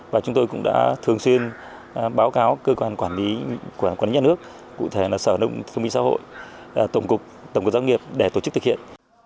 và chúng tôi cũng đã thường xuyên báo cáo cơ quan quản lý nhà nước cụ thể là sở nông thông minh xã hội tổng cục doanh nghiệp để tổ chức thực hiện